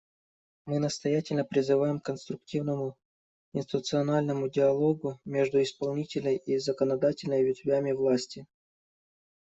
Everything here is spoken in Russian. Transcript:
Мы настоятельно призываем к конструктивному институциональному диалогу между исполнительной и законодательной ветвями власти.